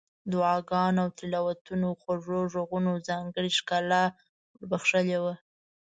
دعاګانو او تلاوتونو خوږو غږونو ځانګړې ښکلا ور بخښلې وه.